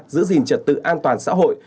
giữ gìn trật tự an toàn xã hội